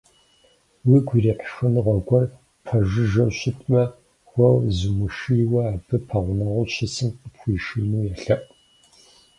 Уигу ирихь шхыныгъуэ гуэр ппэжыжьэу щытмэ, уэ зумышийуэ, абы пэгъунэгъуу щысым къыпхуишиину елъэӏу.